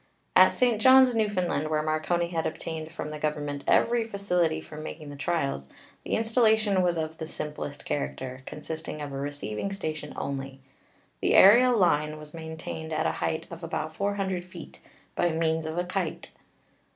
At St. Johns, Newfoundland, where Marconi had obtained from the Government every facility for making the trials, the 324 ELECTRICITY installation was of the simplest character, consisting of a receiving station only. The aerial line was maintained at a height of about 400 feet by means of a kite.